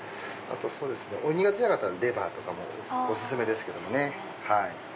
お苦手じゃなかったらレバーとかもお薦めですけどね。